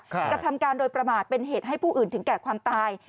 กระทำการโดยประมาทเป็นเหตุให้ผู้อื่นถึงแก่ความตาย